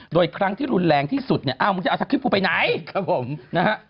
โดยครั้งที่รุนแรงที่สุดเนี่ยอ้าวมึงจะเอาสคริปกูไปไหนครับผมนะฮะ